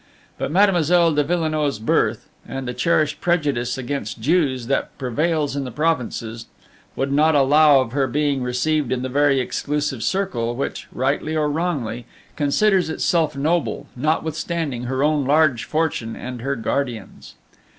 But Mademoiselle de Villenoix's birth, and the cherished prejudice against Jews that prevails in the provinces, would not allow of her being received in the very exclusive circle which, rightly or wrongly, considers itself noble, notwithstanding her own large fortune and her guardian's.